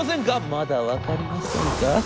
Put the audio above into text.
『まだ分かりませんか。